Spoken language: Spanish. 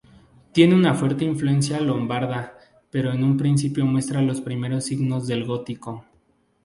Tiene una fuerte influencia lombarda pero en principio muestra los primeros signos del gótico.